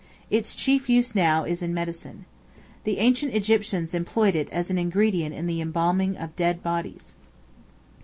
Its chief use now is in medicine. The ancient Egyptians employed it as an ingredient in the embalming of dead bodies.